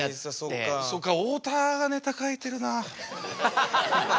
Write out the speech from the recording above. そっか太田がネタ書いてるな。